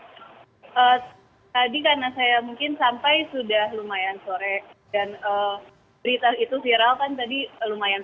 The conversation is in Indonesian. tadi karena saya mungkin sampai sudah lumayan sore dan berita itu viral kan tadi lumayan